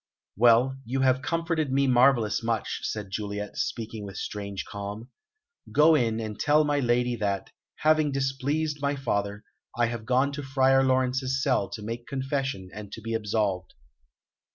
"Well, you have comforted me marvellous much," said Juliet, speaking with strange calm. "Go in, and tell my lady that, having displeased my father, I have gone to Friar Laurence's cell to make confession and to be absolved."